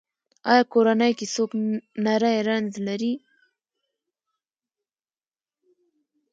ایا کورنۍ کې څوک نری رنځ لري؟